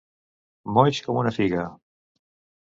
Moix com una figa.